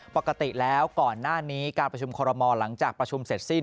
ปกติแล้วก่อนหน้านี้การประชุมคอรมอลหลังจากประชุมเสร็จสิ้น